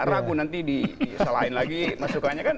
ragu nanti disalahin lagi masukannya kan